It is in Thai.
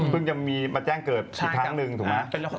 จะมีมาแจ้งเกิดอีกครั้งหนึ่งถูกไหม